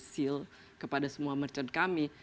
seal kepada semua merchant kami